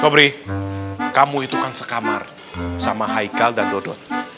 kobri kamu itu kan sekamar sama haikal dan dodot